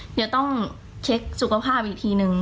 เดี๋ยวต้องเช็คสุขภาพอีกทีนึง